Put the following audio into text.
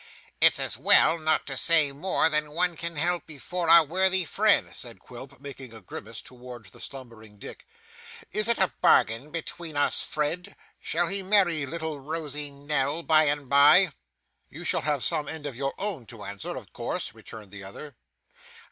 'It's as well not to say more than one can help before our worthy friend,' said Quilp, making a grimace towards the slumbering Dick. 'Is it a bargain between us, Fred? Shall he marry little rosy Nell by and by?' 'You have some end of your own to answer, of course,' returned the other.